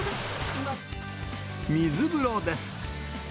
水風呂です。